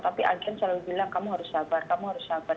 tapi agen selalu bilang kamu harus sabar kamu harus sabar